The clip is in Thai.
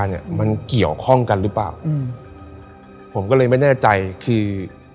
เนี้ยมันเกี่ยวข้องกันหรือเปล่าอืมผมก็เลยไม่แน่ใจคือ